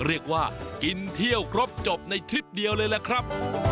เรียกว่ากินเที่ยวครบจบในทริปเดียวเลยล่ะครับ